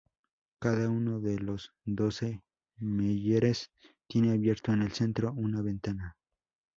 Cada uno de los doce menhires tiene abierto en el centro una ventana.